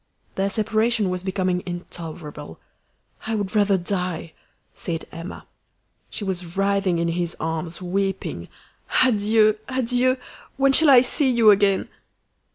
Their separation was becoming intolerable. "I would rather die!" said Emma. She was writhing in his arms, weeping. "Adieu! adieu! When shall I see you again?"